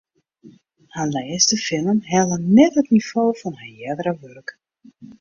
Har lêste film helle net it nivo fan har eardere wurk.